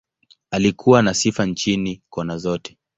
Alikuwa na sifa nchini, kona zote.